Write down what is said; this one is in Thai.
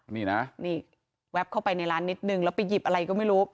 นี่นะนี่แวบเข้าไปในร้านนิดนึงแล้วไปหยิบอะไรก็ไม่รู้